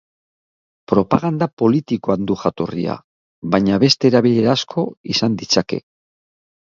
Propaganda politikoan du jatorria, baina beste erabilera asko izan ditzake.